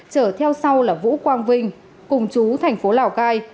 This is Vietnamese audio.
chở theo sau là vũ quang vinh cùng chú thành phố lào cai